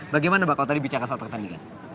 bagaimana mbak kau tadi bicara soal pertandingan